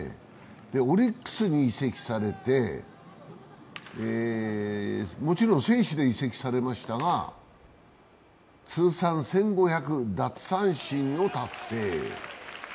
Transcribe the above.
オリックスに移籍されてもちろん選手で移籍されましたが通算１５００奪三振を達成。